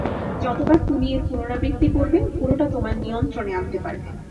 যতবার তুমি এর পুনরাবৃত্তি করবে, পুরোটা তোমার নিয়ন্ত্রনে আনতে পারবে।